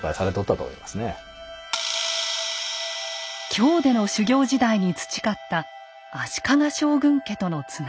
京での修行時代に培った足利将軍家とのつながり。